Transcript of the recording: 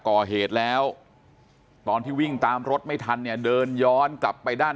ก่อเหตุแล้วตอนที่วิ่งตามรถไม่ทันเนี่ยเดินย้อนกลับไปด้าน